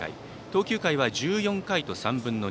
投球回は１４回と３分の２。